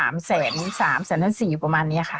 ๓ใบก็อยู่ประมาณ๓แสน๓แสนทั้ง๔อยู่ประมาณนี้ค่ะ